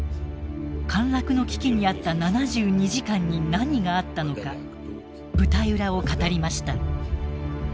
陥落の危機にあった７２時間に何があったのか舞台裏を語りました。